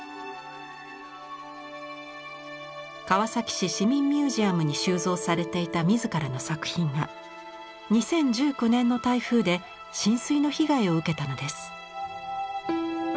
川崎市市民ミュージアムに収蔵されていた自らの作品が２０１９年の台風で浸水の被害を受けたのです。